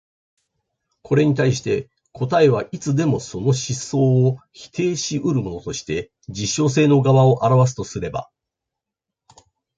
これに対して答えはいつでもその思想を否定し得るものとして実証性の側を現すとすれば、